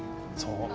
そう。